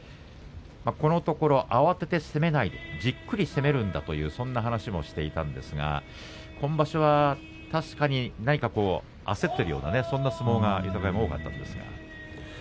このところ慌てて攻めないじっくり攻めるんだとそんな話もしていましたが今場所は確かに何か焦っているようなそんな相撲が豊山、多かったですね。